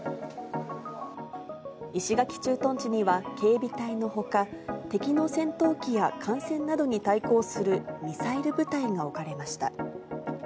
石垣駐屯地には警備隊のほか、敵の戦闘機や艦船などに対抗するミサイル部隊が置かれました。